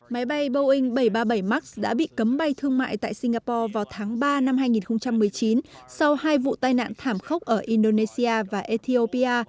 máy bay boeing bảy trăm ba mươi bảy max đã bị cấm bay thương mại tại singapore vào tháng ba năm hai nghìn một mươi chín sau hai vụ tai nạn thảm khốc ở indonesia và ethiopia